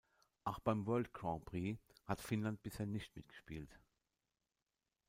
Auch beim World Grand Prix hat Finnland bisher nicht mitgespielt.